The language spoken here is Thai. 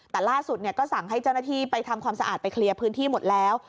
แต่ล่าสุดก็สั่งให้เจ้าหน้าที่ไปทำความสะอาดไปเคลียร์พื้นที่หมดแล้ว